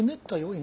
今。